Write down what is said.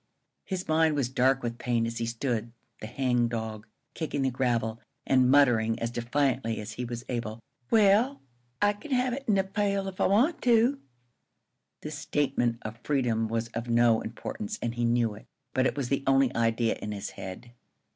His mind was dark with pain as he stood, the hangdog, kicking the gravel, and muttering as defiantly as he was able, "Well, I can have it in a pail if I want to." This statement of freedom was of no importance, and he knew it, but it was the only idea in his head. [Illustration: "'JIMMY TRESCOTT'S GOT HIS PICNIC IN A PAIL!'"